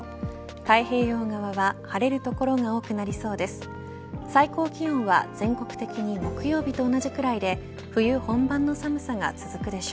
太平洋側は晴れる所が多くなりそうです。